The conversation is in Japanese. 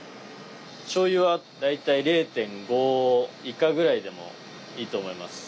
しょうゆは大体０．５以下ぐらいでもいいと思います。